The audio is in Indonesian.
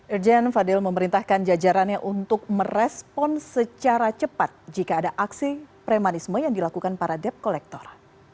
irjen fadil memerintahkan jajarannya untuk merespon secara cepat jika ada aksi premanisme yang dilakukan para debt collector